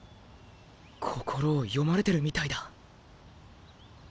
心を読まれてるみたいだ。